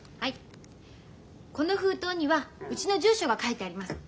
この封筒にはうちの住所が書いてあります。